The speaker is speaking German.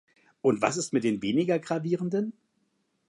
Und was ist mit den weniger Gravierenden?